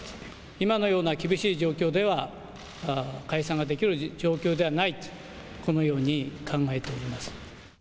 今のような厳しい状況では、解散ができる状況ではないと、このように考えております。